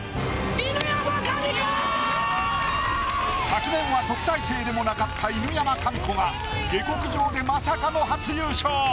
昨年は特待生でもなかった犬山紙子が下剋上でまさかの初優勝。